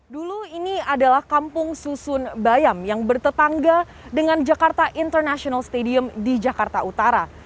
dulu ini adalah kampung susun bayam yang bertetangga dengan jakarta international stadium di jakarta utara